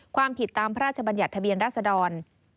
ความผิดตามพระราชบัญญัติทะเบียนราชดร